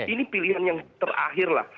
ini pilihan yang terakhirlah